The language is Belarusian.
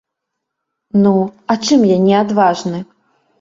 Ну, а чым я не адважны?